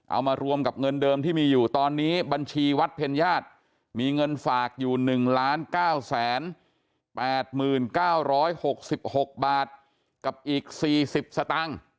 เอามารวมกับเงินเดิมที่มีอยู่ตอนนี้บัญชีวัดเพ็ญญาติมีเงินฝากอยู่๑๙๘๙๖๖บาทกับอีก๔๐สตางค์